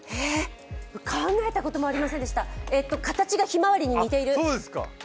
考えたこともありませんでした、形がひまわりに似ている？